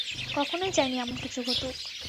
কখনোই চাইনি এমন কিছু ঘটুক।